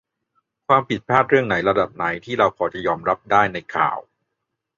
ความผิดพลาดเรื่องไหนระดับไหนที่เราพอจะยอมรับได้ในข่าว ?